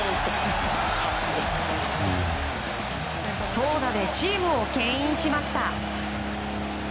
投打でチームを牽引しました。